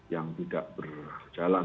yang tidak berjalan